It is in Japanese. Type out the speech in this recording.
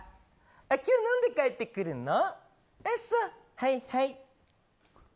今日、飲んで帰ってくるの。